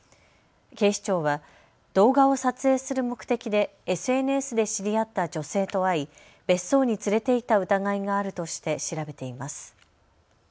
警視庁は動画を撮影する目的でＳＮＳで知り合った女性と会い別荘に連れて行った疑いがあるとして調べています。